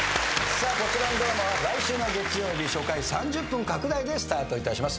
さあこちらのドラマは来週の月曜日初回３０分拡大でスタートいたします。